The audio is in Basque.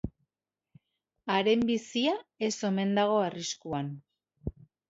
Haren bizia ez omen dago arriskuan.